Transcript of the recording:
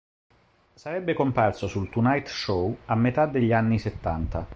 Sarebbe comparso sul "Tonight Show" a metà degli anni settanta.